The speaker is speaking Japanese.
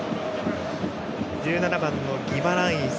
１７番のギマランイス。